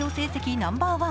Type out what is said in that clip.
ナンバーワン。